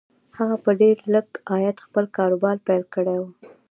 هغه په ډېر لږ عاید خپل کاروبار پیل کړی و